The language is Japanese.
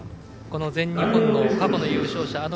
この全日本の過去の優勝者